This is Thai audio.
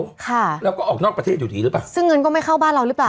ค่ะแล้วก็ออกนอกประเทศอยู่ดีหรือเปล่าซึ่งเงินก็ไม่เข้าบ้านเราหรือเปล่า